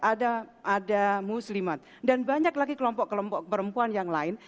ada muslimat dan banyak lagi kelompok kelompok perempuan yang lain